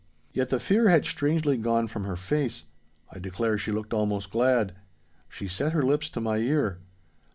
Yet the fear had strangely gone from her face. I declare she looked almost glad. She set her lips to my ear.